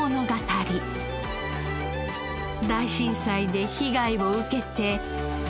大震災で被害を受けて。